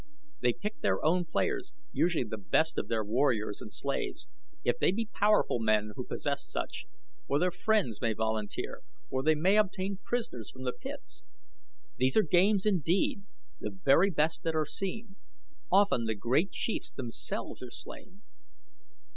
They pick their own players, usually the best of their own warriors and slaves, if they be powerful men who possess such, or their friends may volunteer, or they may obtain prisoners from the pits. These are games indeed the very best that are seen. Often the great chiefs themselves are slain."